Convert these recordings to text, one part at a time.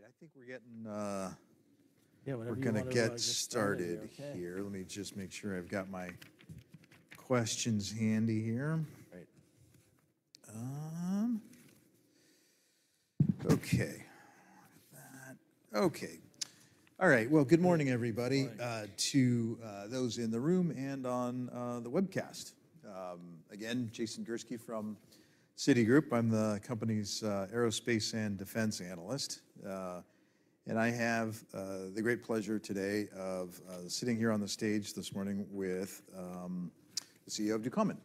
All right, I think we're getting... Yeah, whatever you want to. We're going to get started here. Let me just make sure I've got my questions handy here. Right. Well, good morning, everybody, to those in the room and on the webcast. Again, Jason Gursky from Citigroup. I'm the company's aerospace and defense analyst, and I have the great pleasure today of sitting here on the stage this morning with the CEO of Ducommun.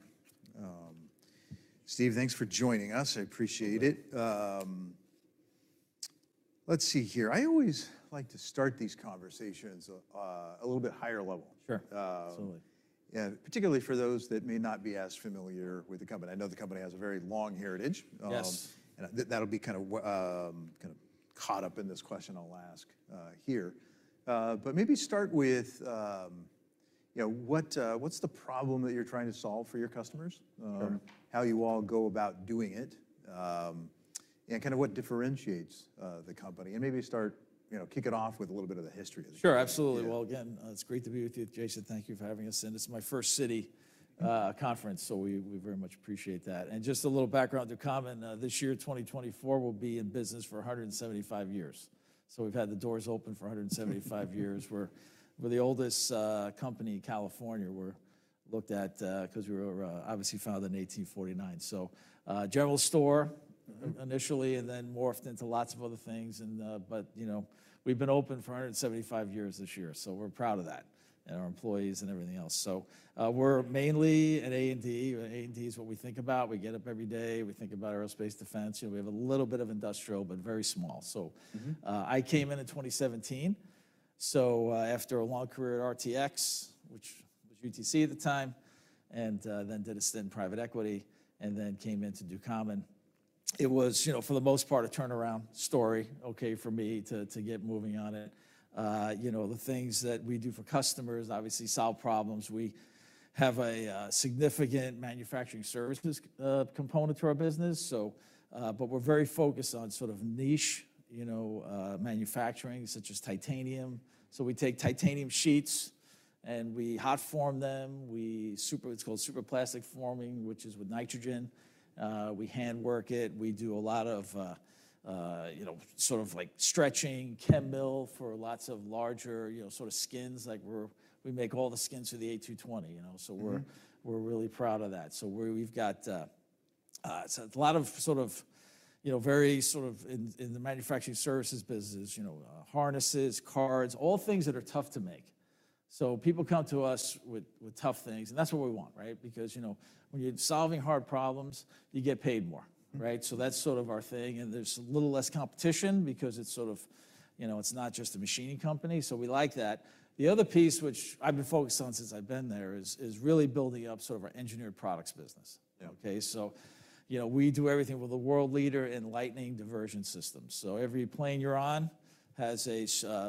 Steve, thanks for joining us. I appreciate it. Let's see here. I always like to start these conversations a little bit higher level. Sure, absolutely. Yeah, particularly for those that may not be as familiar with the company. I know the company has a very long heritage, and that'll be kind of caught up in this question I'll ask here. But maybe start with what's the problem that you're trying to solve for your customers, how you all go about doing it, and kind of what differentiates the company. And maybe start, kick it off with a little bit of the history of the company. Sure, absolutely. Well, again, it's great to be with you, Jason. Thank you for having us. And it's my first Citi conference, so we very much appreciate that. And just a little background, Ducommun, this year, 2024, will be in business for 175 years. So we've had the doors open for 175 years. We're the oldest company in California. We're looked at because we were obviously founded in 1849. So general store initially, and then morphed into lots of other things. But we've been open for 175 years this year, so we're proud of that and our employees and everything else. So we're mainly an A&D. A&D is what we think about. We get up every day. We think about aerospace, defense. We have a little bit of industrial, but very small. So I came in in 2017. So after a long career at RTX, which was UTC at the time, and then did a stint in private equity, and then came into Ducommun, it was, for the most part, a turnaround story for me to get moving on it. The things that we do for customers, obviously, solve problems. We have a significant manufacturing services component to our business, but we're very focused on sort of niche manufacturing, such as titanium. So we take titanium sheets, and we hot-form them. It's called superplastic forming, which is with nitrogen. We handwork it. We do a lot of sort of stretching, chem mill for lots of larger sort of skins. We make all the skins for the A220, so we're really proud of that. So we've got a lot of sort of very sort of in the manufacturing services business, harnesses, cards, all things that are tough to make. So people come to us with tough things, and that's what we want, right? Because when you're solving hard problems, you get paid more, right? So that's sort of our thing. And there's a little less competition because it's sort of it's not just a machining company, so we like that. The other piece, which I've been focused on since I've been there, is really building up sort of our Engineered Products business. Okay? So we do everything with a world leader in Lightning Diversion Systems. So every plane you're on has a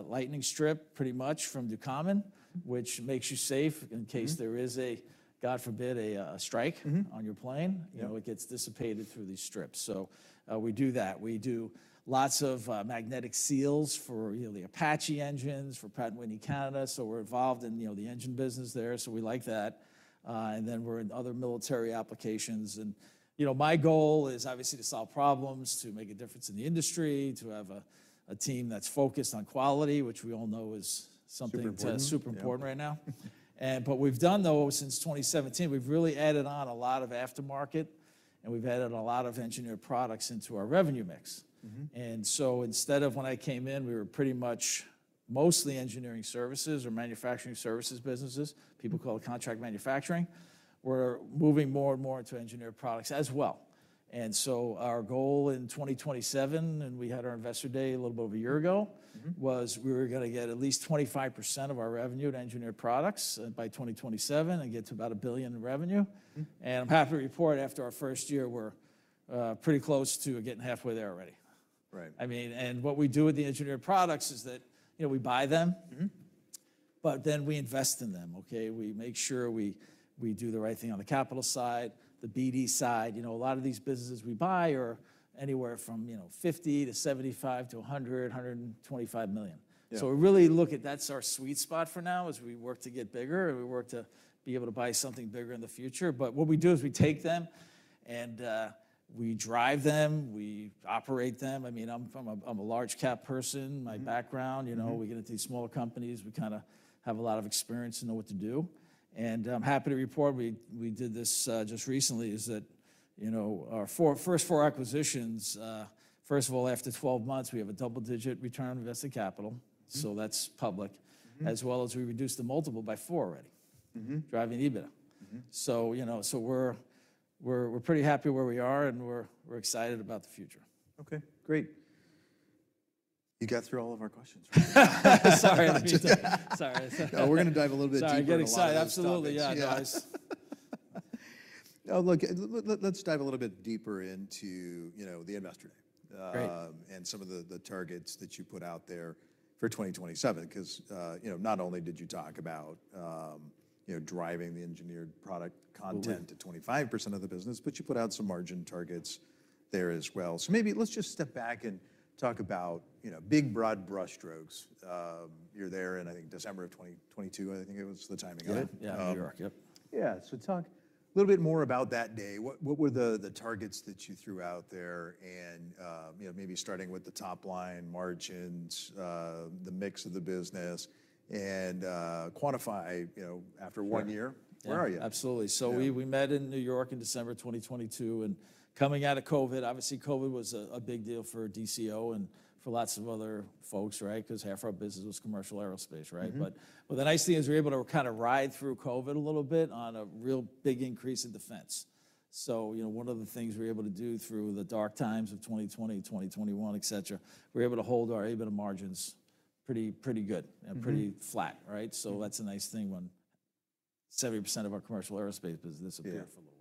lightning strip, pretty much, from Ducommun, which makes you safe in case there is a, God forbid, a strike on your plane. It gets dissipated through these strips. So we do that. We do lots of Magnetic Seals for the Apache engines, for Pratt & Whitney Canada. So we're involved in the engine business there, so we like that. And then we're in other military applications. And my goal is obviously to solve problems, to make a difference in the industry, to have a team that's focused on quality, which we all know is something super important right now. But we've done, though, since 2017, we've really added on a lot of aftermarket, and we've added a lot of Engineered Products into our revenue mix. And so instead of when I came in, we were pretty much mostly Engineering Services or Manufacturing Services Businesses, people call it contract manufacturing, we're moving more and more into Engineered Products as well. Our goal in 2027, and we had our Investor Day a little bit over a year ago, was we were going to get at least 25% of our revenue to Engineered Products by 2027 and get to about $1 billion in revenue. And I'm happy to report, after our first year, we're pretty close to getting halfway there already. I mean, and what we do with the Engineered Products is that we buy them, but then we invest in them. Okay? We make sure we do the right thing on the capital side, the BD side. A lot of these businesses we buy are anywhere from $50 million-$75 million-$100 million, $125 million. So we really look at that's our sweet spot for now, as we work to get bigger, and we work to be able to buy something bigger in the future. But what we do is we take them, and we drive them, we operate them. I mean, I'm a large-cap person. My background, we get into these smaller companies. We kind of have a lot of experience and know what to do. And I'm happy to report, we did this just recently, is that our first four acquisitions, first of all, after 12 months, we have a double-digit return on invested capital. So that's public, as well as we reduced the multiple by four already, driving EBITDA. So we're pretty happy where we are, and we're excited about the future. Okay, great. You got through all of our questions. Sorry. No, we're going to dive a little bit deeper on that. Sorry, I get excited. Absolutely. Yeah, nice. No, look, let's dive a little bit deeper into the Investor Day and some of the targets that you put out there for 2027. Because not only did you talk about driving the engineered product content to 25% of the business, but you put out some margin targets there as well. So maybe let's just step back and talk about big, broad brushstrokes. You're there, and I think, December of 2022, I think it was the timing on it. You did? Yeah, New York, yep. Yeah, so talk a little bit more about that day. What were the targets that you threw out there? And maybe starting with the top line, margins, the mix of the business, and quantify after one year, where are you? Absolutely. So we met in New York in December of 2022. Coming out of COVID, obviously, COVID was a big deal for DCO and for lots of other folks, right? Because half our business was commercial aerospace, right? But the nice thing is we were able to kind of ride through COVID a little bit on a real big increase in defense. So one of the things we were able to do through the dark times of 2020, 2021, et cetera, we were able to hold our EBITDA margins pretty good and pretty flat, right? So that's a nice thing when 70% of our commercial aerospace business appeared for a little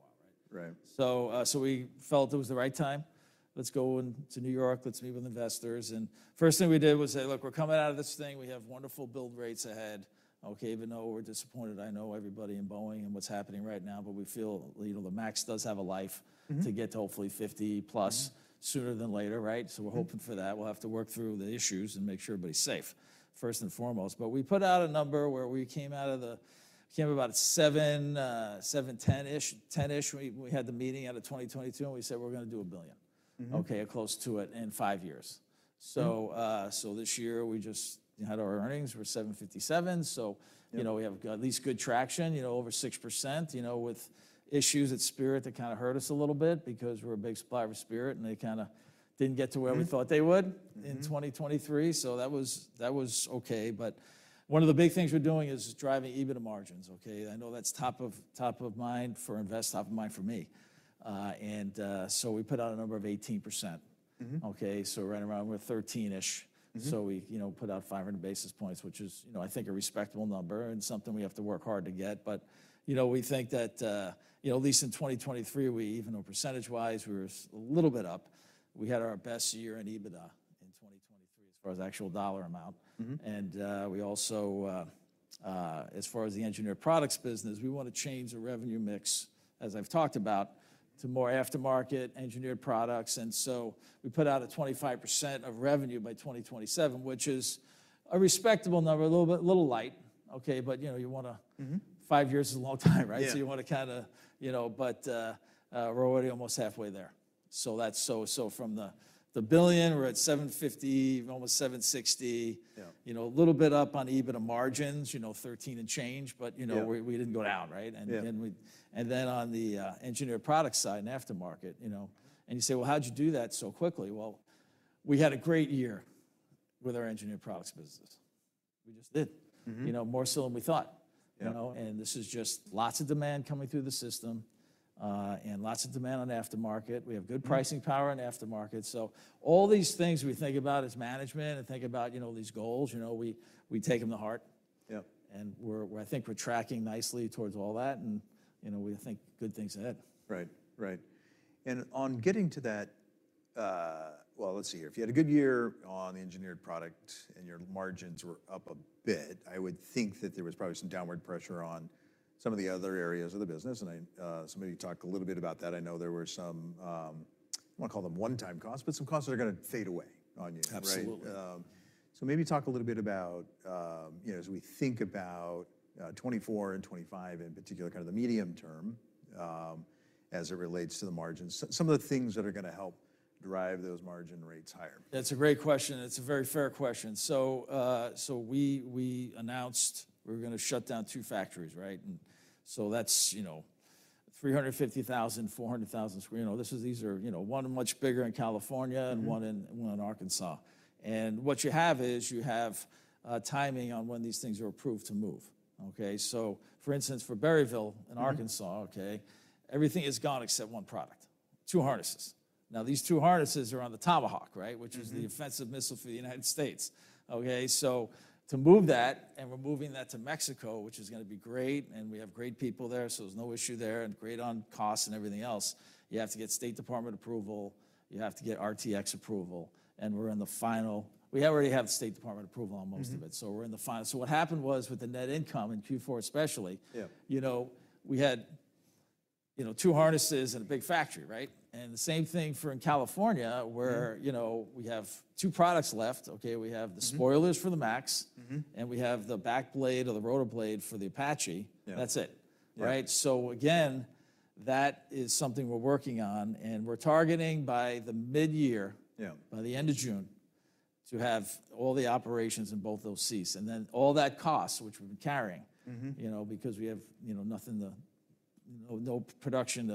while, right? So we felt it was the right time. Let's go into New York. Let's meet with investors. And the first thing we did was say, look, we're coming out of this thing. We have wonderful build rates ahead. Okay, even though we're disappointed, I know everybody in Boeing and what's happening right now, but we feel the MAX does have a life to get to hopefully 50+ sooner than later, right? So we're hoping for that. We'll have to work through the issues and make sure everybody's safe, first and foremost. But we put out a number where we came up about a seven, 7.10-ish, 10-ish when we had the meeting out of 2022, and we said we're going to do $1 billion, okay, or close to it in five years. So this year, we just had our earnings. We're 7.57, so we have at least good traction, over 6%. With issues at Spirit, they kind of hurt us a little bit because we're a big supplier of Spirit, and they kind of didn't get to where we thought they would in 2023. So that was okay. But one of the big things we're doing is driving EBITDA margins. Okay? I know that's top of mind for investors, top of mind for me. And so we put out a number of 18%. Okay? So right around, we're 13-ish. So we put out 500 basis points, which is, I think, a respectable number and something we have to work hard to get. But we think that at least in 2023, even though percentage-wise, we were a little bit up. We had our best year in EBITDA in 2023 as far as actual dollar amount. As far as the Engineered Products business, we want to change the revenue mix, as I've talked about, to more aftermarket Engineered Products. So we put out a 25% of revenue by 2027, which is a respectable number, a little light. Okay? But you want to five years is a long time, right? So you want to kind of, but we're already almost halfway there. So from the $1 billion, we're at $750 million, almost $760 million, a little bit up on EBITDA margins, 13% and change, but we didn't go down, right? And then on the Engineered Products side and aftermarket, and you say, well, how'd you do that so quickly? Well, we had a great year with our Engineered Products business. We just did, more so than we thought. And this is just lots of demand coming through the system and lots of demand on aftermarket. We have good pricing power in aftermarket. So all these things we think about as management and think about these goals. We take them to heart, and I think we're tracking nicely towards all that, and we think good things ahead. Right, right. And on getting to that, well, let's see here. If you had a good year on the engineered product and your margins were up a bit, I would think that there was probably some downward pressure on some of the other areas of the business. And so maybe talk a little bit about that. I know there were some I don't want to call them one-time costs, but some costs that are going to fade away on you, right? Absolutely. Maybe talk a little bit about, as we think about 2024 and 2025 in particular, kind of the medium term as it relates to the margins, some of the things that are going to help drive those margin rates higher. That's a great question. That's a very fair question. So we announced we were going to shut down two factories, right? And so that's 350,000-400,000 sq m. These are one much bigger in California and one in Arkansas. And what you have is you have timing on when these things are approved to move. Okay? So for instance, for Berryville in Arkansas, everything has gone except one product, two harnesses. Now, these two harnesses are on the Tomahawk, right, which is the offensive missile for the United States. Okay? So to move that, and we're moving that to Mexico, which is going to be great, and we have great people there, so there's no issue there and great on costs and everything else, you have to get State Department approval. You have to get RTX approval. We're in the final. We already have State Department approval on most of it, so we're in the final. So what happened was with the net income in Q4 especially, we had two harnesses and a big factory, right? The same thing in California, where we have two products left. Okay? We have the spoilers for the MAX, and we have the back blade or the rotor blade for the Apache. That's it, right? So again, that is something we're working on. We're targeting by mid-year, by the end of June, to have all the operations in both those sites. Then all that cost, which we've been carrying because we have nothing, no production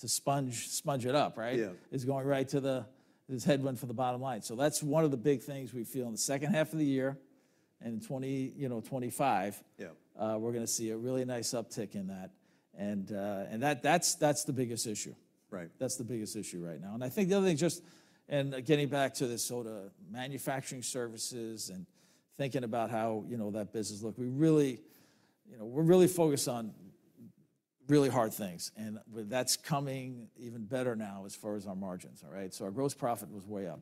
to sponge it up, right, is going right to the headwind for the bottom line. So that's one of the big things we feel in the second half of the year. And in 2025, we're going to see a really nice uptick in that. And that's the biggest issue. That's the biggest issue right now. And I think the other thing, just getting back to this, so to manufacturing services and thinking about how that business looks, we're really focused on really hard things. And that's coming even better now as far as our margins, all right? So our gross profit was way up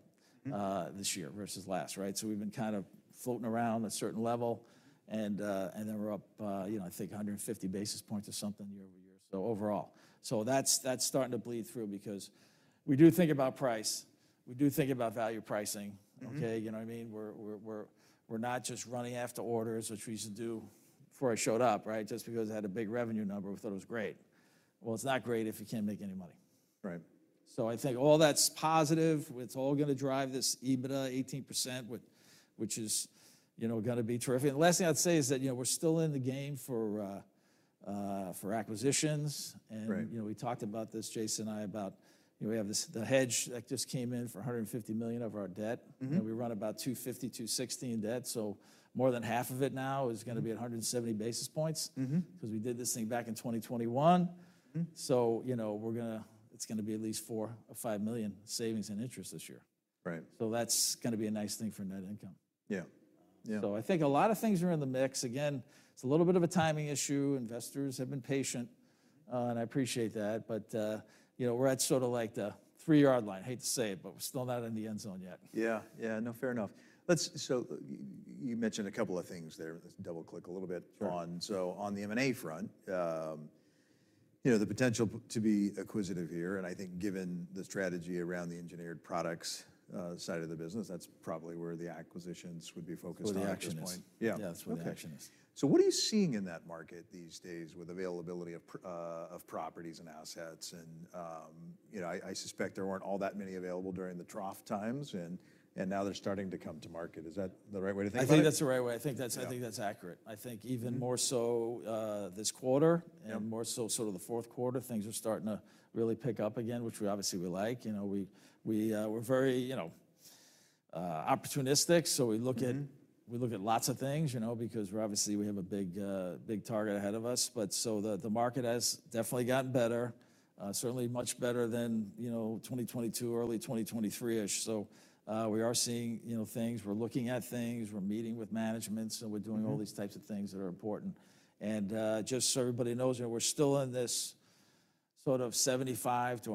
this year versus last, right? So we've been kind of floating around a certain level, and then we're up, I think, 150 basis points or something year-over-year, so overall. So that's starting to bleed through because we do think about price. We do think about value pricing. Okay? You know what I mean? We're not just running after orders, which we used to do before I showed up, right, just because I had a big revenue number. We thought it was great. Well, it's not great if you can't make any money. So I think all that's positive, it's all going to drive this EBITDA 18%, which is going to be terrific. And the last thing I'd say is that we're still in the game for acquisitions. And we talked about this, Jason and I, about we have the hedge that just came in for $150 million of our debt. And we run about 250-260 in debt. So more than half of it now is going to be at 170 basis points because we did this thing back in 2021. So it's going to be at least $4 million-$5 million savings in interest this year. So that's going to be a nice thing for net income. Yeah. So I think a lot of things are in the mix. Again, it's a little bit of a timing issue. Investors have been patient, and I appreciate that. But we're at sort of like the three-yard line. I hate to say it, but we're still not in the end zone yet. Yeah, yeah, no, fair enough. So you mentioned a couple of things there. Let's double-click a little bit on. So on the M&A front, the potential to be acquisitive here, and I think given the strategy around the Engineered Products side of the business, that's probably where the acquisitions would be focused on at this point. Right where the action is. Yeah, that's where the action is. So what are you seeing in that market these days with availability of properties and assets? And I suspect there weren't all that many available during the trough times, and now they're starting to come to market. Is that the right way to think about it? I think that's the right way. I think that's accurate. I think even more so this quarter and more so sort of the fourth quarter, things are starting to really pick up again, which obviously we like. We're very opportunistic, so we look at lots of things because obviously, we have a big target ahead of us. But so the market has definitely gotten better, certainly much better than 2022, early 2023-ish. So we are seeing things. We're looking at things. We're meeting with management, so we're doing all these types of things that are important. And just so everybody knows, we're still in this sort of $75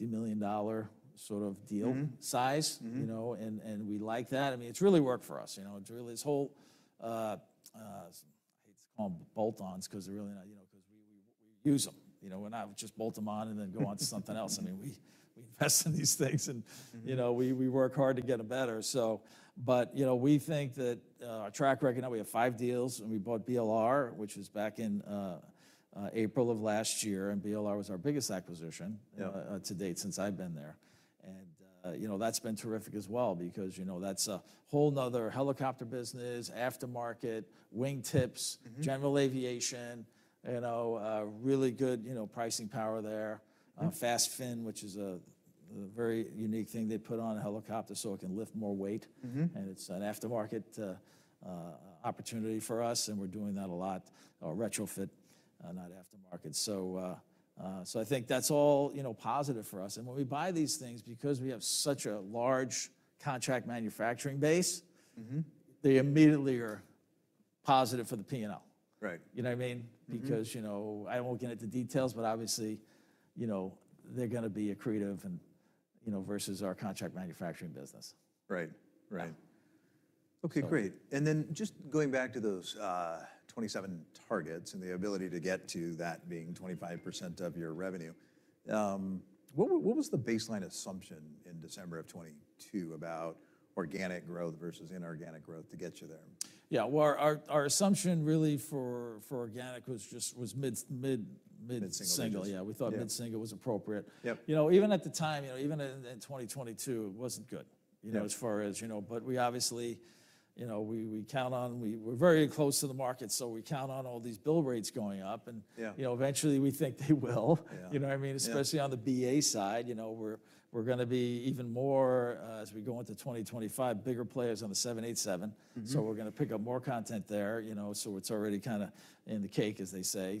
million-$150 million sort of deal size, and we like that. I mean, it's really worked for us. It's really this whole I hate to call them bolt-ons because they're really not because we use them. We're not just bolt them on and then go on to something else. I mean, we invest in these things, and we work hard to get them better. But we think that our track record now, we have five deals. We bought BLR, which was back in April of last year. BLR was our biggest acquisition to date since I've been there. That's been terrific as well because that's a whole another helicopter business, aftermarket, wing tips, general aviation, really good pricing power there, FastFin, which is a very unique thing. They put on a helicopter so it can lift more weight. It's an aftermarket opportunity for us, and we're doing that a lot, retrofit, not aftermarket. So I think that's all positive for us. When we buy these things, because we have such a large contract manufacturing base, they immediately are positive for the P&L. You know what I mean? Because I won't get into details, but obviously, they're going to be accretive versus our contract manufacturing business. Right, right. OK, great. And then just going back to those 27 targets and the ability to get to that being 25% of your revenue, what was the baseline assumption in December of 2022 about organic growth versus inorganic growth to get you there? Yeah, well, our assumption really for organic was just mid-single. Yeah, we thought mid-single was appropriate. Even at the time, even in 2022, it wasn't good as far as but we obviously, we count on we're very close to the market, so we count on all these build rates going up. And eventually, we think they will. You know what I mean? Especially on the BA side, we're going to be even more, as we go into 2025, bigger players on the 787. So we're going to pick up more content there. So it's already kind of in the cake, as they say.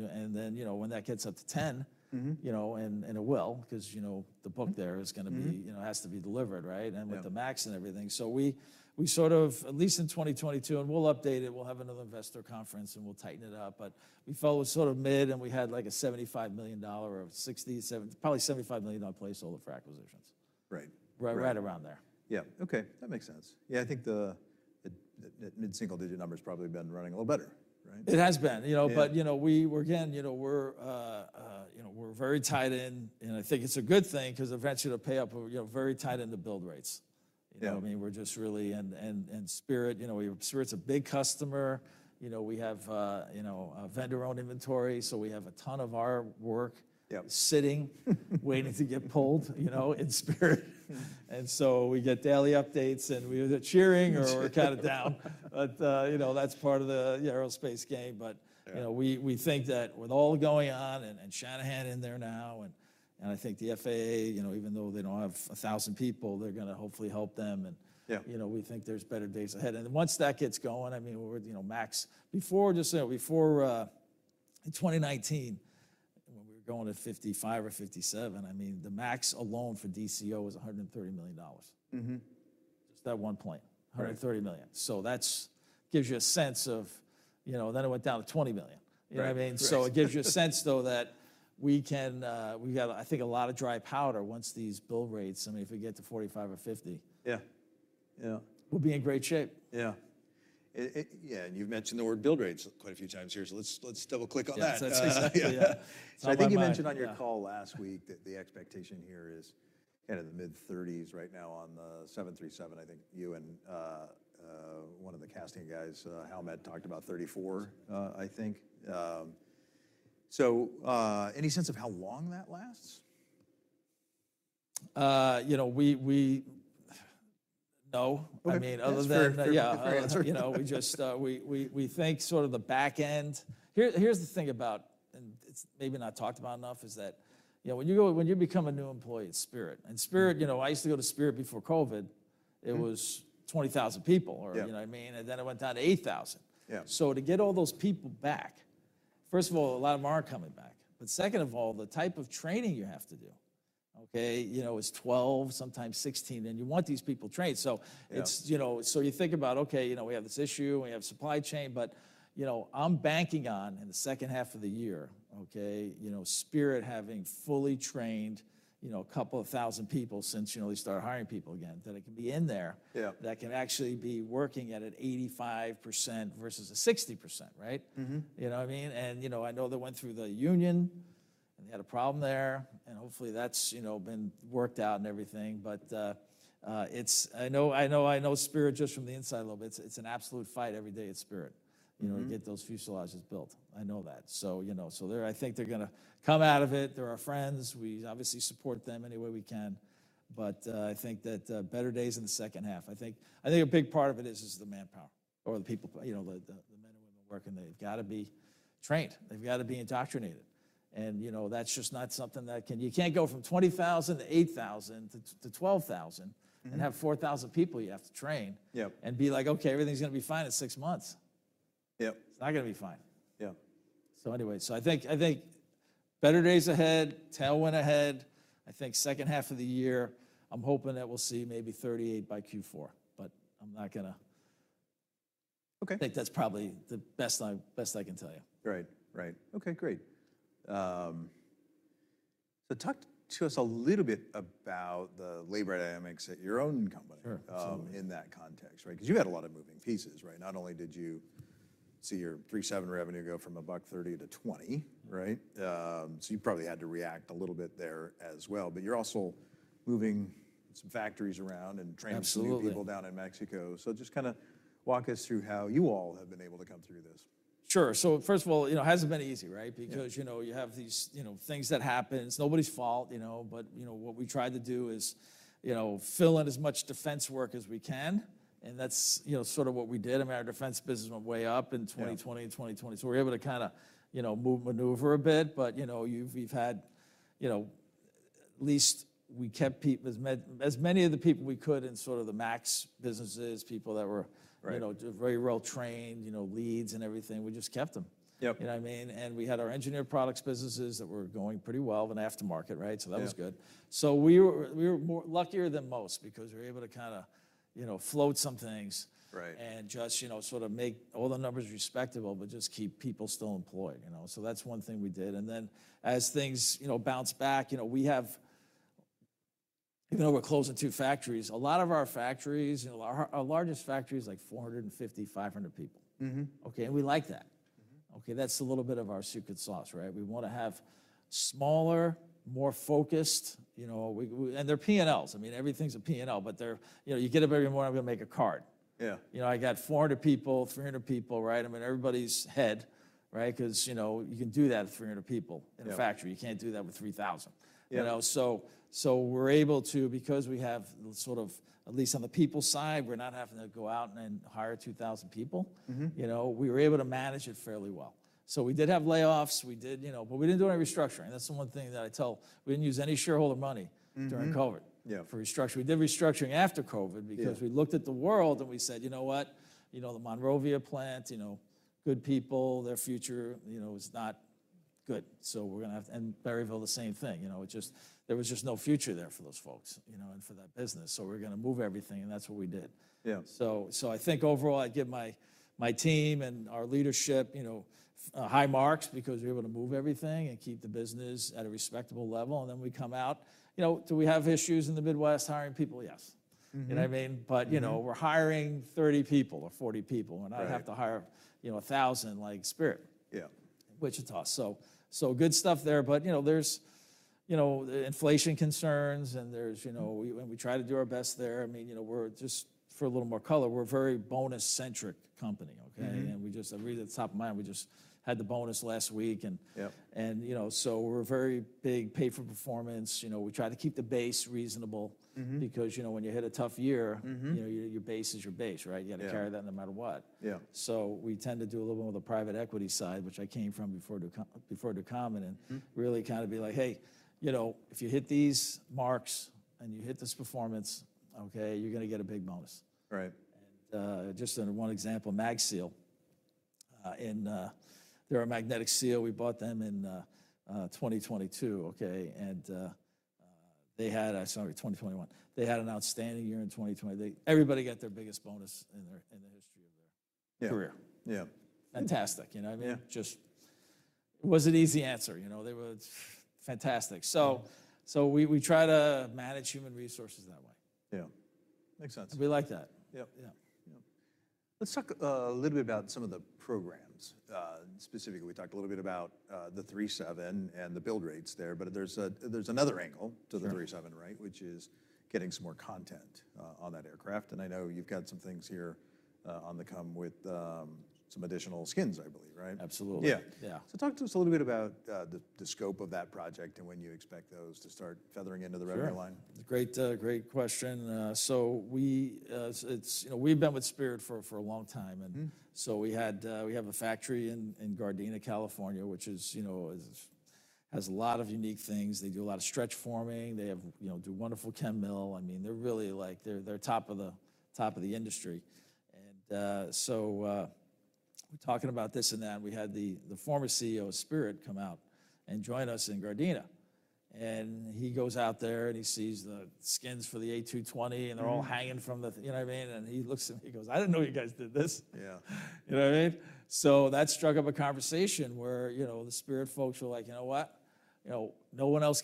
And then when that gets up to 10, and it will because the book there is going to be has to be delivered, right, and with the MAX and everything. So we sort of at least in 2022, and we'll update it. We'll have another investor conference, and we'll tighten it up. But we fell sort of mid, and we had like a $75 million or probably $75 million placeholder for acquisitions, right around there. Yeah, OK, that makes sense. Yeah, I think the mid-single digit number has probably been running a little better, right? It has been. But again, we're very tied in, and I think it's a good thing because eventually, it'll pay off. We're very tied in the build rates. You know what I mean? We're just really and Spirit. Spirit's a big customer. We have vendor-owned inventory, so we have a ton of our work sitting, waiting to get pulled in Spirit. And so we get daily updates, and we're either cheering or we're kind of down. But that's part of the aerospace game. We think that with all going on and Shanahan in there now, and I think the FAA, even though they don't have 1,000 people, they're going to hopefully help them. And we think there's better days ahead. Once that gets going, I mean, MAX before in 2019, when we were going to 55 or 57, I mean, the MAX alone for DCO was $130 million, just that one point, $130 million. So that gives you a sense of, then it went down to $20 million. You know what I mean? So it gives you a sense, though, that we've got, I mean, a lot of dry powder once these build rates, I mean, if we get to 45 or 50, we'll be in great shape. Yeah, yeah, and you've mentioned the word build rates quite a few times here, so let's double-click on that. Yeah, exactly. So I think you mentioned on your call last week that the expectation here is kind of the mid-30s right now on the 737. I think you and one of the casting guys, Howmet, talked about 34, I think. So any sense of how long that lasts? No. I mean, other than yeah, we think sort of the back end. Here's the thing about, and it's maybe not talked about enough, is that when you become a new employee at Spirit and Spirit, I used to go to Spirit before COVID. It was 20,000 people, or you know what I mean? And then it went down to 8,000. So to get all those people back, first of all, a lot of them aren't coming back. But second of all, the type of training you have to do is 12, sometimes 16, and you want these people trained. So you think about, OK, we have this issue. We have supply chain. But I'm banking on in the second half of the year, Spirit having fully trained 2,000 people since they started hiring people again, that it can be in there that can actually be working at an 85% versus a 60%, right? You know what I mean? And I know they went through the union, and they had a problem there. And hopefully, that's been worked out and everything. But I know Spirit just from the inside a little bit, it's an absolute fight every day at Spirit to get those fuselages built. I know that. So I think they're going to come out of it. They're our friends. We obviously support them any way we can. But I think that better days in the second half, I think a big part of it is the manpower or the people, the men and women working. They've got to be trained. They've got to be indoctrinated. And that's just not something that can, you can't go from 20,000-8,000-12,000 and have 4,000 people you have to train and be like, OK, everything's going to be fine in six months. It's not going to be fine. Yeah, so anyway, so I think better days ahead, tailwind ahead. I think second half of the year, I'm hoping that we'll see maybe 38 by Q4. But I'm not going to think that's probably the best I can tell you. Right, right. OK, great. So talk to us a little bit about the labor dynamics at your own company in that context, right? Because you had a lot of moving pieces, right? Not only did you see your 737 revenue go from $1.30 to $20, right? So you probably had to react a little bit there as well. But you're also moving some factories around and training some new people down in Mexico. So just kind of walk us through how you all have been able to come through this. Sure. So first of all, it hasn't been easy, right, because you have these things that happen. It's nobody's fault. But what we tried to do is fill in as much defense work as we can. And that's sort of what we did. I mean, our defense business went way up in 2020 and 2020. So we're able to kind of maneuver a bit. But we've had at least we kept as many of the people we could in sort of the MAX businesses, people that were very well trained, leads and everything. We just kept them. You know what I mean? And we had our Engineered Products businesses that were going pretty well in aftermarket, right? So that was good. So we were luckier than most because we were able to kind of float some things and just sort of make all the numbers respectable, but just keep people still employed. So that's one thing we did. And then as things bounced back, we have even though we're closing two factories, a lot of our factories, our largest factory is like 450-500 people. OK, and we like that. OK, that's a little bit of our secret sauce, right? We want to have smaller, more focused. And they're P&Ls. I mean, everything's a P&L, but you get up every morning, I'm going to make a card. Yeah, I got 400 people, 300 people, right? I mean, everybody's head, right? Because you can do that with 300 people in a factory. You can't do that with 3,000. So we're able to, because we have sort of at least on the people side, we're not having to go out and hire 2,000 people. We were able to manage it fairly well. So we did have layoffs. But we didn't do any restructuring. That's the one thing that I tell. We didn't use any shareholder money during COVID for restructuring. We did restructuring after COVID because we looked at the world, and we said, you know what? The Monrovia plant, good people, their future is not good. And Berryville, the same thing. There was just no future there for those folks and for that business. So we're going to move everything, and that's what we did. So I think overall, I'd give my team and our leadership high marks because we were able to move everything and keep the business at a respectable level. And then we come out. Do we have issues in the Midwest hiring people? Yes. You know what I mean? But we're hiring 30 people or 40 people, and I have to hire 1,000 like Spirit, Wichita. So good stuff there. But there's inflation concerns, and we try to do our best there. I mean, just for a little more color, we're a very bonus-centric company. And really at the top of mind, we just had the bonus last week. And so we're a very big pay-for-performance. We try to keep the base reasonable because when you hit a tough year, your base is your base, right? You got to carry that no matter what. So we tend to do a little bit with the private equity side, which I came from before Ducommun, and really kind of be like, hey, if you hit these marks and you hit this performance, OK, you're going to get a big bonus. And just one example, MagSeal. They're Magnetic Seal. We bought them in 2022. And I saw it in 2021. They had an outstanding year in 2020. Everybody got their biggest bonus in the history of their career. Yeah, fantastic. You know what I mean? It was an easy answer. They were fantastic. So we try to manage human resources that way. Yeah, makes sense. We like that. Yeah, yeah. Let's talk a little bit about some of the programs. Specifically, we talked a little bit about the 737 and the build rates there. But there's another angle to the 737, right, which is getting some more content on that aircraft. And I know you've got some things here on the 787 with some additional skins, I believe, right? Absolutely. Yeah, yeah. So talk to us a little bit about the scope of that project and when you expect those to start feathering into the revenue line. Sure. Great question. So we've been with Spirit for a long time. And so we have a factory in Gardena, California, which has a lot of unique things. They do a lot of stretch forming. They do wonderful chem mill. I mean, they're really like they're top of the industry. And so we're talking about this and that. And we had the former CEO of Spirit come out and join us in Gardena. And he goes out there, and he sees the skins for the A220, and they're all hanging from the you know what I mean? And he looks at me, he goes, I didn't know you guys did this. You know what I mean? So that struck up a conversation where the Spirit folks were like, you know what? No one else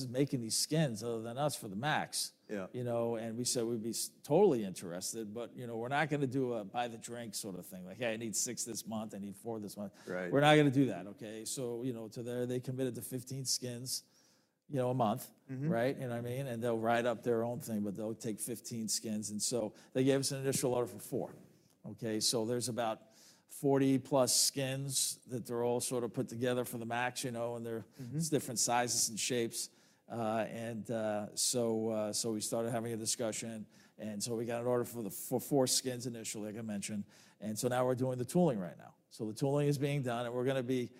is making these skins other than us for the MAX. We said we'd be totally interested. But we're not going to do a buy the drink sort of thing, like, hey, I need six this month. I need four this month. We're not going to do that, OK? So to there, they committed to 15 skins a month, right? You know what I mean? And they'll write up their own thing, but they'll take 15 skins. And so they gave us an initial order for four. So there's about 40+ skins that they're all sort of put together for the MAX. And there's different sizes and shapes. And so we started having a discussion. And so we got an order for four skins initially, like I mentioned. And so now we're doing the tooling right now. So the tooling is being done, and we're going to be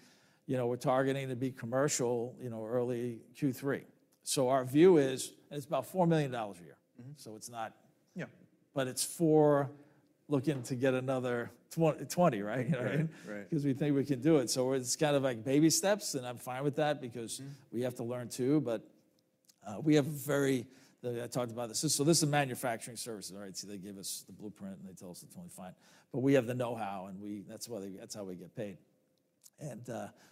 we're targeting to be commercial early Q3. So our view is, and it's about $4 million a year. So it's not but it's for looking to get another 20, right? Because we think we can do it. So it's kind of like baby steps, and I'm fine with that because we have to learn too. But we have a very I talked about this. So this is manufacturing services, right? So they give us the blueprint, and they tell us it's totally fine. But we have the know-how, and that's how we get paid. And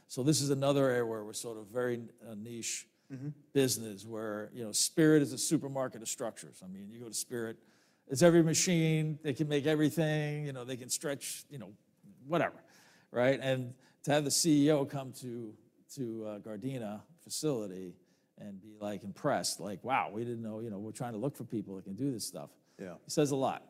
so this is another area where we're sort of very niche business, where Spirit is a supermarket of structures. I mean, you go to Spirit, it's every machine. They can make everything. They can stretch whatever, right? And to have the CEO come to a Gardena facility and be like impressed, like, wow, we didn't know we're trying to look for people that can do this stuff, it says a lot.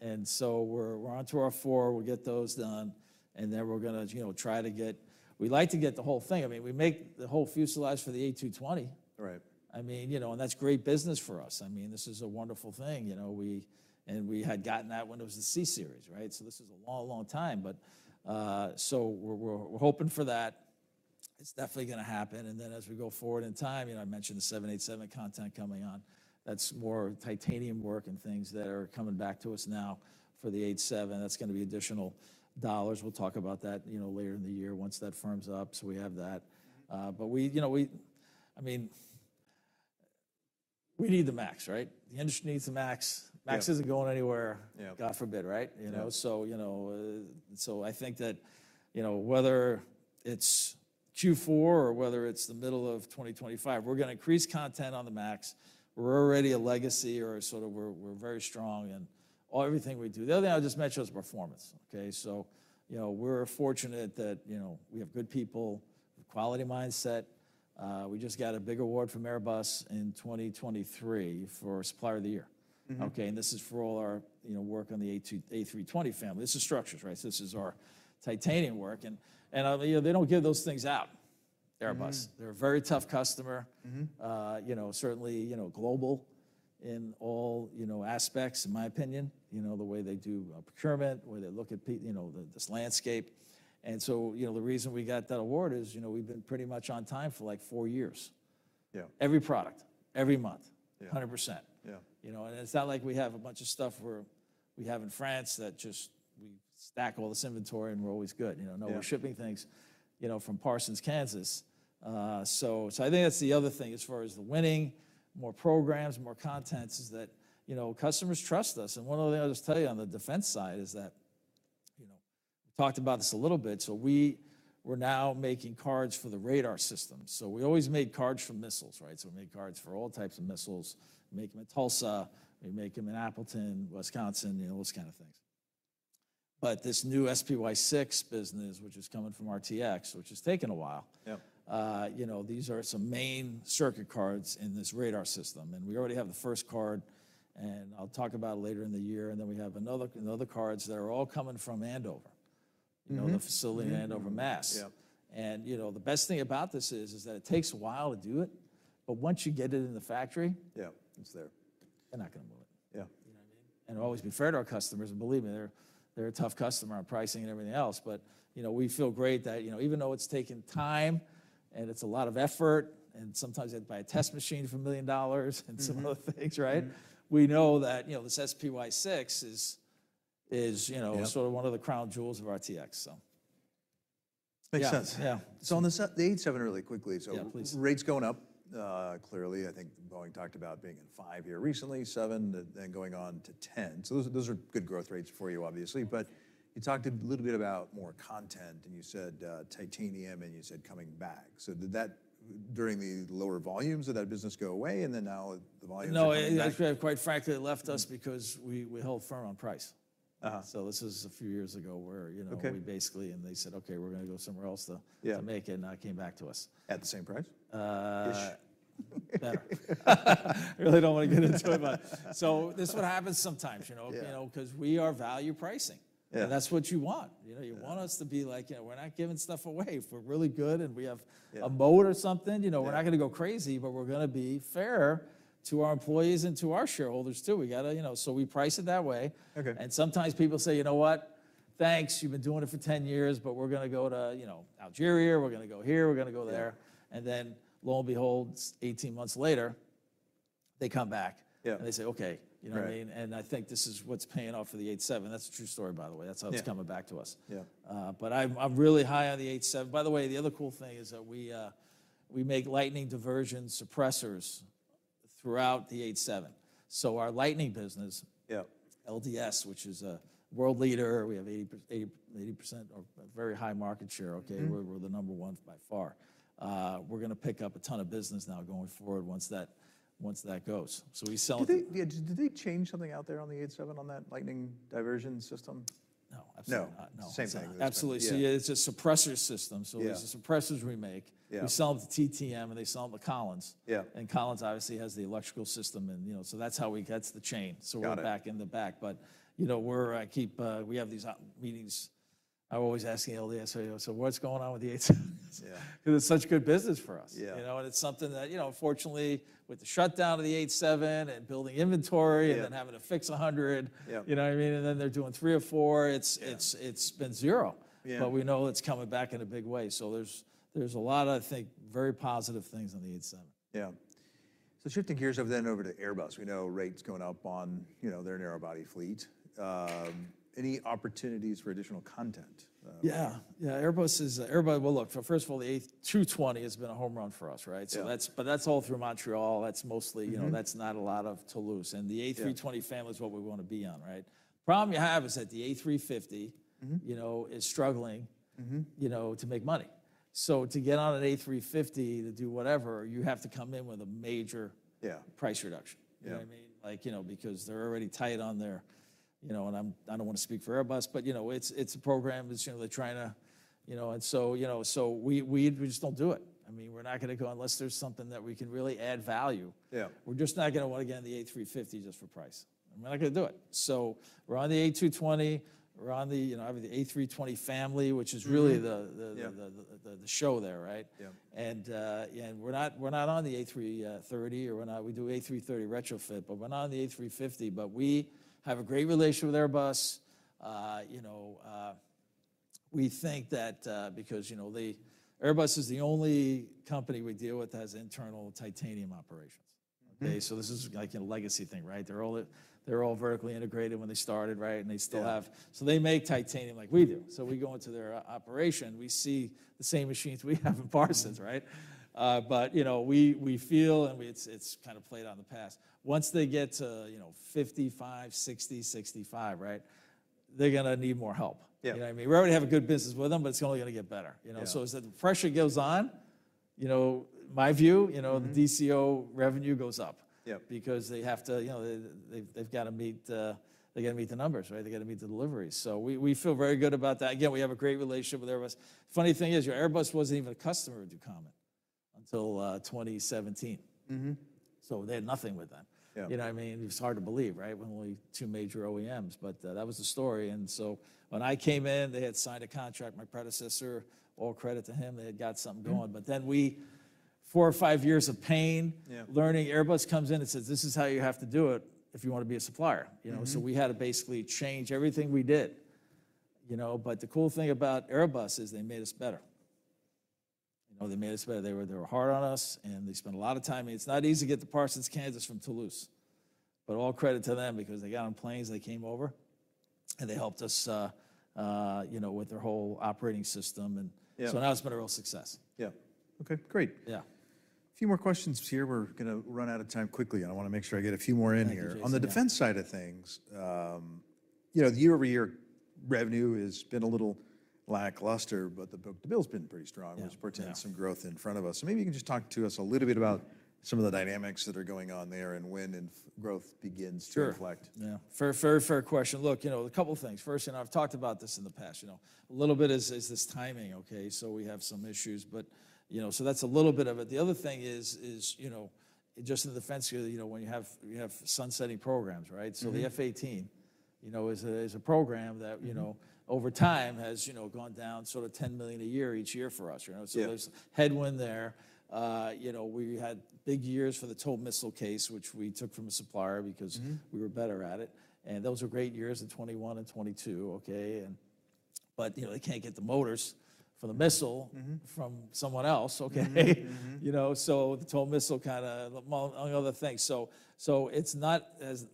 And so we're on tour of four. We'll get those done. And then we're going to try to get; we like to get the whole thing. I mean, we make the whole fuselage for the A220. I mean, and that's great business for us. I mean, this is a wonderful thing. And we had gotten that when it was the C Series, right? So this is a long, long time. So we're hoping for that. It's definitely going to happen. And then as we go forward in time, I mentioned the 787 content coming on. That's more titanium work and things that are coming back to us now for the 87. That's going to be additional dollars. We'll talk about that later in the year once that firms up. So we have that. But I mean, we need the MAX, right? The industry needs the MAX. MAX isn't going anywhere, God forbid, right? So I think that whether it's Q4 or whether it's the middle of 2025, we're going to increase content on the MAX. We're already a legacy, or sort of we're very strong in everything we do. The other thing I just mentioned was performance. So we're fortunate that we have good people, quality mindset. We just got a big award from Airbus in 2023 for supplier of the year. And this is for all our work on the A320 family. This is structures, right? So this is our titanium work. And they don't give those things out, Airbus. They're a very tough customer, certainly global in all aspects, in my opinion, the way they do procurement, the way they look at this landscape. And so the reason we got that award is we've been pretty much on time for like four years, every product, every month, 100%. And it's not like we have a bunch of stuff where we have in France that just we stack all this inventory, and we're always good. No, we're shipping things from Parsons, Kansas. So I think that's the other thing as far as the winning, more programs, more contents, is that customers trust us. And one other thing I'll just tell you on the defense side is that we talked about this a little bit. So we're now making cards for the radar system. So we always made cards for missiles, right? So we made cards for all types of missiles. We make them in Tulsa. We make them in Appleton, Wisconsin, those kind of things. But this new SPY-6 business, which is coming from RTX, which has taken a while, these are some main circuit cards in this radar system. And we already have the first card. And I'll talk about it later in the year. And then we have other cards that are all coming from Andover, the facility in Andover, Massachusetts. And the best thing about this is that it takes a while to do it. But once you get it in the factory, it's there. They're not going to move it. Yeah, you know what I mean? And always be fair to our customers. And believe me, they're a tough customer on pricing and everything else. But we feel great that even though it's taken time, and it's a lot of effort, and sometimes you have to buy a test machine for $1 million and some other things, right? We know that this SPY-6 is sort of one of the crown jewels of RTX. Makes sense. So on the 87 really quickly, so rates going up clearly. I think Boeing talked about being in five here recently, seven then going on to 10. So those are good growth rates for you, obviously. But you talked a little bit about more content. And you said titanium, and you said coming back. So did that, during the lower volumes, did that business go away? And then now the volumes are going up. No, actually, quite frankly, it left us because we held firm on price. So this was a few years ago where we basically and they said, OK, we're going to go somewhere else to make it. And that came back to us. At the same price? Better. I really don't want to get into it. But so this is what happens sometimes because we are value pricing. And that's what you want. You want us to be like, we're not giving stuff away. If we're really good, and we have a moat or something, we're not going to go crazy. But we're going to be fair to our employees and to our shareholders too. So we price it that way. And sometimes people say, you know what? Thanks. You've been doing it for 10 years. But we're going to Algeria. We're going to go here. We're going to go there. And then lo and behold, 18 months later, they come back. And they say, OK, you know what I mean? And I think this is what's paying off for the 87. That's a true story, by the way. That's how it's coming back to us. But I'm really high on the 87. By the way, the other cool thing is that we make lightning diversion suppressors throughout the 87. So our lightning business, LDS, which is a world leader, we have 80% or very high market share. We're the number one by far. We're going to pick up a ton of business now going forward once that goes. So we sell it. Did they change something out there on the 87, on that Lightning Diversion System? No, absolutely not. Same thing. Absolutely. So yeah, it's a suppressor system. So it's the suppressors we make. We sell them to TTM, and they sell them to Collins. And Collins obviously has the electrical system. And so that's how we get the chain. So we're back in the back. But we have these meetings. I'm always asking LDS, so what's going on with the 787? Because it's such good business for us. And it's something that, fortunately, with the shutdown of the 787 and building inventory and then having to fix 100, you know what I mean? And then they're doing three or four, it's been zero. But we know it's coming back in a big way. So there's a lot of, I think, very positive things on the 787. Yeah. So shifting gears then over to Airbus. We know rates going up on their narrowbody fleet. Any opportunities for additional content? Yeah, yeah. Airbus, well, look, first of all, the A220 has been a home run for us, right? But that's all through Montreal. That's not a lot of Toulouse. And the A320 family is what we want to be on, right? The problem you have is that the A350 is struggling to make money. So to get on an A350 to do whatever, you have to come in with a major price reduction, you know what I mean? Because they're already tight on their and I don't want to speak for Airbus. But it's a program. They're trying to and so we just don't do it. I mean, we're not going to go unless there's something that we can really add value. We're just not going to want to get on the A350 just for price. We're not going to do it. So we're on the A220. We're on the A320 family, which is really the show there, right? And we're not on the A330, or we do A330 retrofit. But we're not on the A350. But we have a great relationship with Airbus. We think that because Airbus is the only company we deal with that has internal titanium operations. So this is like a legacy thing, right? They're all vertically integrated when they started, right? And they still have, so they make titanium like we do. So we go into their operation. We see the same machines we have in Parsons, right? But we feel, and it's kind of played on the past. Once they get to 55, 60, 65, right, they're going to need more help. You know what I mean? We already have a good business with them, but it's only going to get better. So as the pressure goes on, my view, the DCO revenue goes up because they have to they've got to meet they've got to meet the numbers, right? They've got to meet the deliveries. So we feel very good about that. Again, we have a great relationship with Airbus. Funny thing is, your Airbus wasn't even a customer of Ducommun until 2017. So they had nothing with them. You know what I mean? It's hard to believe, right? We're only two major OEMs. But that was the story. And so when I came in, they had signed a contract, my predecessor, all credit to him. They had got something going. But then we, four or five years of pain, learning, Airbus comes in and says, this is how you have to do it if you want to be a supplier. So we had to basically change everything we did. But the cool thing about Airbus is they made us better. They made us better. They were hard on us, and they spent a lot of time. It's not easy to get to Parsons, Kansas, from Toulouse. But all credit to them because they got on planes. They came over, and they helped us with their whole operating system. And so now it's been a real success. Yeah. OK, great. Yeah, a few more questions here. We're going to run out of time quickly. I want to make sure I get a few more in here. On the defense side of things, the year-over-year revenue has been a little lackluster. The bookings have been pretty strong, which portends some growth in front of us. Maybe you can just talk to us a little bit about some of the dynamics that are going on there and when growth begins to reflect. Yeah, fair, fair, fair question. Look, a couple of things. First, and I've talked about this in the past, a little bit is this timing, OK? So we have some issues. But so that's a little bit of it. The other thing is just in the defense here, when you have sunsetting programs, right? So the F/A-18 is a program that over time has gone down sort of $10 million a year each year for us. So there's headwind there. We had big years for the TOW missile case, which we took from a supplier because we were better at it. And those were great years in 2021 and 2022, OK? But they can't get the motors for the missile from someone else, OK? So the TOW missile kind of among other things. So it's not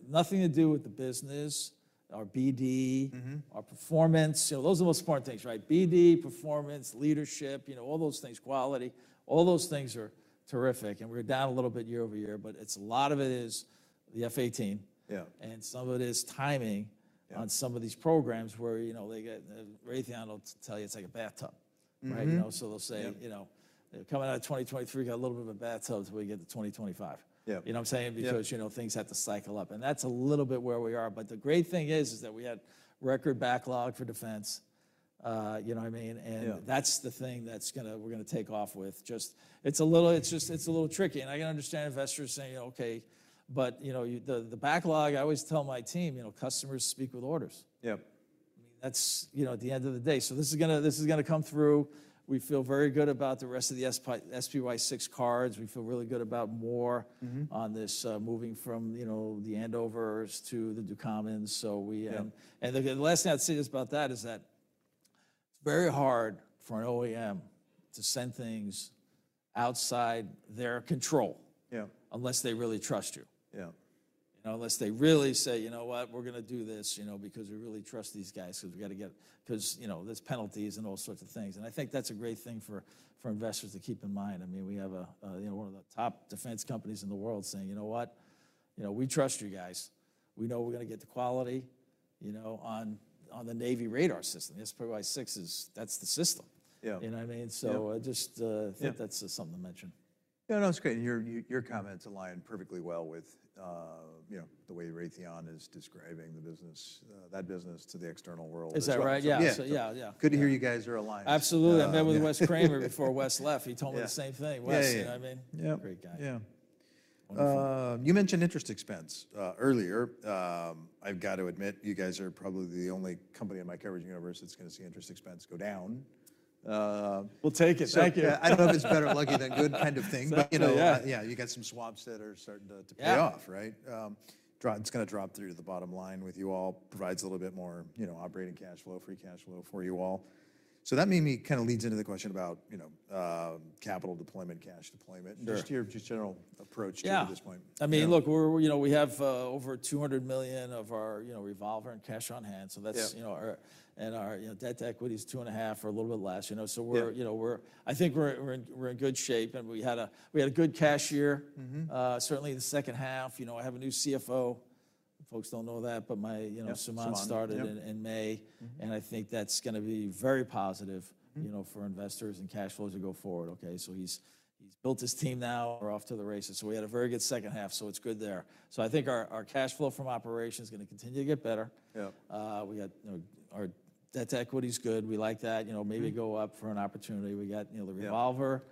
nothing to do with the business, our BD, our performance. Those are the most important things, right? BD, performance, leadership, all those things, quality, all those things are terrific. And we're down a little bit year-over-year. But a lot of it is the F-18. And some of it is timing on some of these programs where they get Raytheon will tell you it's like a bathtub, right? So they'll say, coming out of 2023, we got a little bit of a bathtub until we get to 2025. You know what I'm saying? Because things have to cycle up. And that's a little bit where we are. But the great thing is that we had record backlog for defense. You know what I mean? And that's the thing that we're going to take off with. It's a little tricky. And I can understand investors saying, OK, but the backlog I always tell my team, customers speak with orders. I mean, that's at the end of the day. So this is going to come through. We feel very good about the rest of the SPY-6 cards. We feel really good about more on this moving from the Andover's to the Ducommun's. And the last thing I'd say about that is that it's very hard for an OEM to send things outside their control unless they really trust you, unless they really say, you know what? We're going to do this because we really trust these guys because we've got to get because there's penalties and all sorts of things. And I think that's a great thing for investors to keep in mind. I mean, we have one of the top defense companies in the world saying, you know what? We trust you guys. We know we're going to get the quality on the Navy radar system. The SPY-6 is, that's the system. You know what I mean? So I just think that's something to mention. No, no, it's great. Your comments align perfectly well with the way Raytheon is describing that business to the external world. Is that right? Yeah, yeah, yeah. Good to hear you guys are aligned. Absolutely. I met with Wes Kremer before Wes left. He told me the same thing. Wes, you know what I mean? Great guy. Yeah. You mentioned interest expense earlier. I've got to admit, you guys are probably the only company in my coverage universe that's going to see interest expense go down. We'll take it. Thank you. I don't know if it's better lucky than good kind of thing. But yeah, you got some swaps that are starting to pay off, right? It's going to drop through to the bottom line with you all, provides a little bit more operating cash flow, free cash flow for you all. So that maybe kind of leads into the question about capital deployment, cash deployment, and just your general approach to this point. Yeah. I mean, look, we have over $200 million of our revolver and cash on hand. And our debt to equity is 2.5 or a little bit less. So I think we're in good shape. And we had a good cash year, certainly the second half. I have a new CFO. Folks don't know that. But my Suman started in May. And I think that's going to be very positive for investors and cash flows to go forward, OK? So he's built his team now. We're off to the races. So we had a very good second half. So it's good there. So I think our cash flow from operations is going to continue to get better. Our debt to equity is good. We like that. Maybe go up for an opportunity. We got the revolver.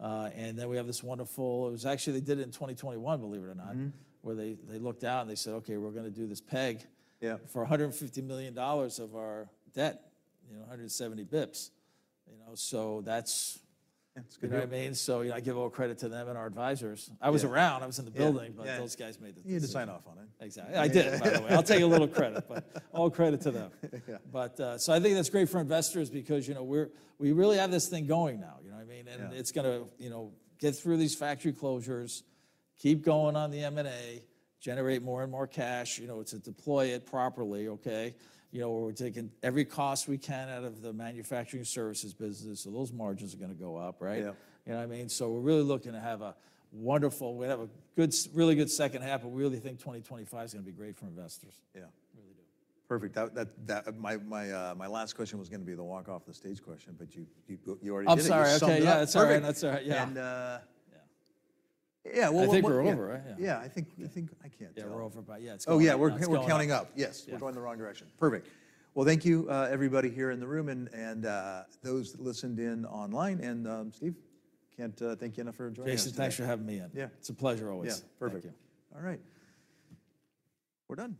And then we have this wonderful. It was actually they did it in 2021, believe it or not, where they looked out and they said, OK, we're going to do this peg for $150 million of our debt, 170 basis points. So that's good. You know what I mean? So I give all credit to them and our advisors. I was around. I was in the building. But those guys made the decision. You need to sign off on it. Exactly. I did, by the way. I'll take a little credit. But all credit to them. So I think that's great for investors because we really have this thing going now. You know what I mean? And it's going to get through these factory closures, keep going on the M&A, generate more and more cash to deploy it properly, OK? We're taking every cost we can out of the manufacturing services business. So those margins are going to go up, right? You know what I mean? So we're really looking to have a wonderful we have a really good second half. But we really think 2025 is going to be great for investors. Yeah, really do. Perfect. My last question was going to be the walk-off the stage question. But you already did it. I'm sorry. OK, yeah. That's all right. Yeah. Yeah. Yeah. I think we're over, right? Yeah. I think I can't tell. Yeah, we're over. But yeah, it's going to be good. Oh, yeah. We're counting up. Yes. We're going the wrong direction. Perfect. Well, thank you, everybody here in the room and those that listened in online. Steve, can't thank you enough for joining us. Jason, thanks for having me in. It's a pleasure always. Yeah, perfect. Thank you. All right. We're done.